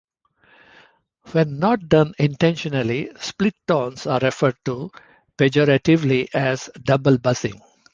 When not done intentionally, split tones are referred to pejoratively as "double buzzing".